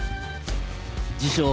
自称